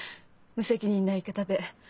無責任な言い方で。